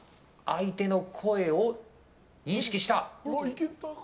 相手の声を認識した。